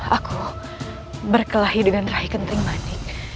aku berkelahi dengan rahi kenting mani